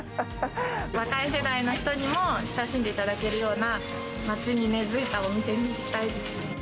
若い世代の人にも親しんでいただけるような、街に根づいたお店にしたいです。